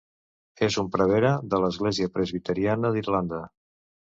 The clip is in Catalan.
És un prevere de l'Església Presbiteriana d'Irlanda.